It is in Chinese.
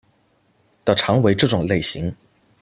的常为这种类型。